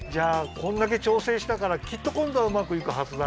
これだけちょうせいしたからきっとこんどはうまくいくはずだ！